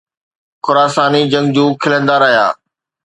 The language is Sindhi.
خراساني جنگجو کلندا رهيا.